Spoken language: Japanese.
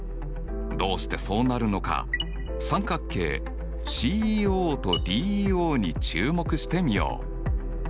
どうしてそうなるのか三角形ＣＥＯとＤＥＯに注目してみよう。